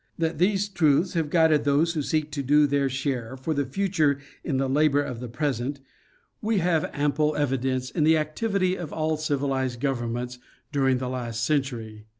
That these truths have guided those who seek to do their share for the future in the labor of the present, we have ample evidence in the activity of all civilized governments during the last century.